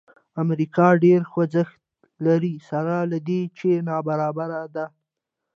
امریکا ډېر خوځښت لري سره له دې چې نابرابره ده.